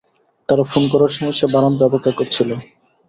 তারা ফোন করার সময় সে বারান্দায় অপেক্ষা করছিল।